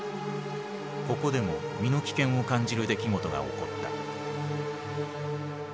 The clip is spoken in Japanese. ここでも身の危険を感じる出来事が起こった。